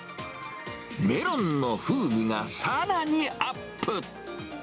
メロンの風味がさらにアップ。